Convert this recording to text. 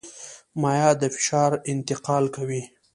مایعات د فشار انتقال کوي.